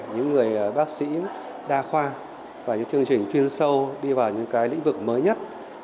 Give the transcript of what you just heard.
những người bác sĩ đa khoa và những chương trình chuyên sâu đi vào những cái lĩnh vực mới nhất